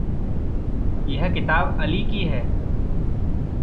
यह किताब अली की है।